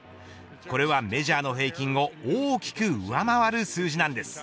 これはメジャーの平均を大きく上回る数字なんです。